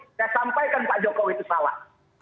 saya sampaikan pak jokowi itu salah